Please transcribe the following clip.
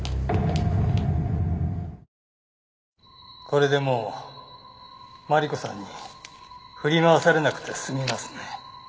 これでもうマリコさんに振り回されなくて済みますね。